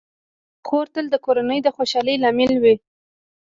خور تل د کورنۍ د خوشحالۍ لامل وي.